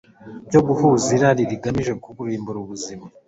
byo guhaza irari rigamije kurimbura ubuzima,